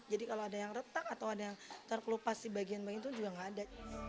jadi kalau ada yang retak atau ada yang terkelupas di bagian bagian itu juga enggak ada